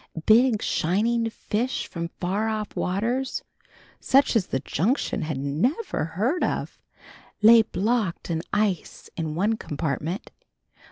Big shining fish from far off waters, such as the Junction had never heard of, lay blocked in ice in one compartment.